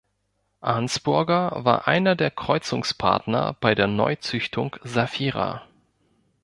Arnsburger war einer der Kreuzungspartner bei der Neuzüchtung Saphira.